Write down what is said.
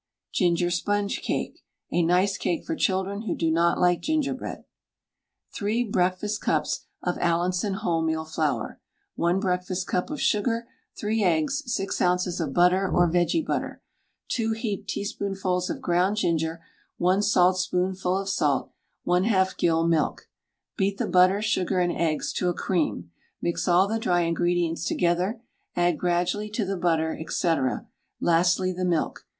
GINGER SPONGE CAKE (a nice Cake for Children who do not like Gingerbread). 3 breakfast cups of Allinson wholemeal flour, 1 breakfast cup of sugar, 3 eggs, 6 oz. of butter or vege butter, 2 heaped teaspoonfuls of ground ginger, 1 saltspoonful of salt, 1/2 gill milk. Beat the butter, sugar, and eggs to a cream, mix all the dry ingredients together; add gradually to the butter, &c., lastly the milk.